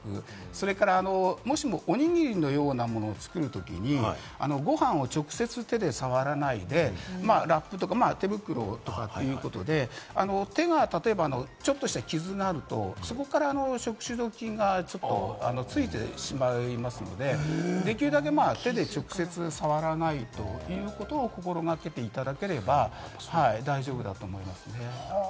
それから、もしも、おにぎりのようなものを作るときにご飯を直接、手で触らないで、ラップとか手袋とかということで、手が、例えばちょっとした傷があると、そこから食中毒菌がちょっとついてしまいますので、できるだけ手で直接触らないということを心掛けていただければ大丈夫だと思いますね。